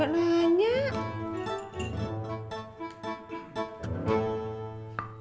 cendol manis dingin